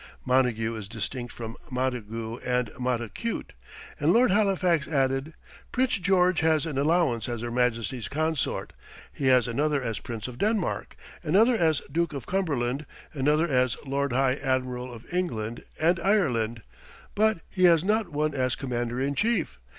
Montague is distinct from Montagu and Montacute. And Lord Halifax added, "Prince George has an allowance as Her Majesty's Consort; he has another as Prince of Denmark; another as Duke of Cumberland; another as Lord High Admiral of England and Ireland; but he has not one as Commander in Chief.